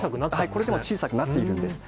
これでも小さくなってるんですね。